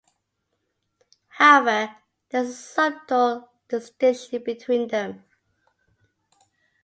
However, there is a subtle distinction between them.